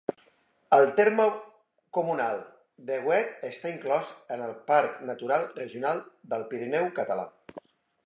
El terme comunal d'Èguet està inclòs en el Parc Natural Regional del Pirineu Català.